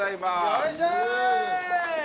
よいしょ！